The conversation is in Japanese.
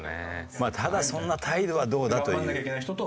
まあただそんな態度はどうだ？という。